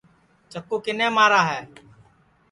چکُو کِنے مارا ہے